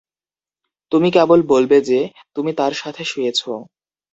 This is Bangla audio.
তুমি কেবল বলবে যে, তুমি তার সাথে শুয়েছ।